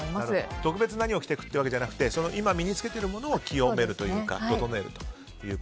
特別、何を着ていくというわけじゃなくて今、身に着けているものを清めるというか整えると。